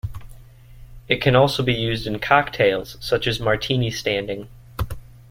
It can also be used in cocktails such as "martini standing".